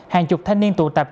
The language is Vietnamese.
hàng chục thanh niên tụ tập